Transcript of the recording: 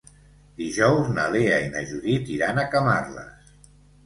Dijous na Lea i na Judit iran a Camarles.